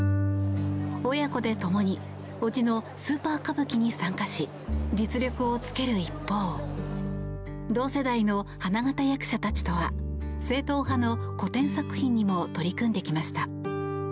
親子で共に伯父のスーパー歌舞伎に参加し実力をつける一方同世代の花形役者たちとは正統派の古典作品にも取り組んできました。